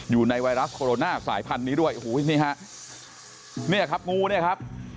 อยู่ในไวรัสโคโรนาสายพันธุ์นี้ด้วยนี่ครับงูนี่ครับ